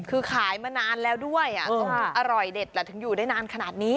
คือขายมานานแล้วด้วยต้องอร่อยเด็ดแหละถึงอยู่ได้นานขนาดนี้